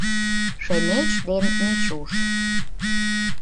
Шемеч ден Мичуш